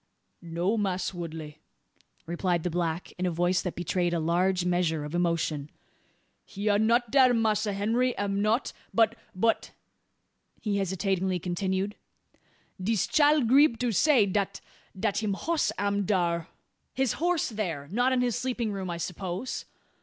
"No, Mass' Woodley," replied the black, in a voice that betrayed a large measure of emotion, "he are not dar Massa Henry am not. But but," he hesitatingly continued, "dis chile grieb to say dat dat him hoss am dar." "His horse there! Not in his sleeping room, I suppose?"